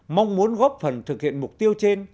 mong muốn góp phần thực hiện mục tiêu trên